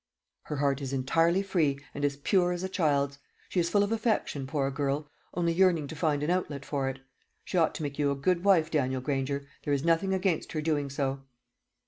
"Her heart is entirely free, and as pure as a child's. She is full of affection, poor girl, only yearning to find an outlet for it. She ought to make you a good wife, Daniel Granger. There is nothing against her doing so."